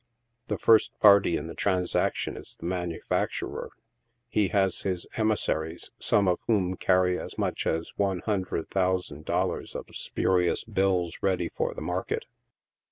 The first party in the transaction is the manufacturer. He has his emissaries, some of whom carry as much as one hundred thousand dollars' worth of spurious bills ready for the market.